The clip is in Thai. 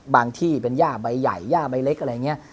ที่เป็นย่าใบใหญ่ย่าใบเล็กอะไรอย่างนี้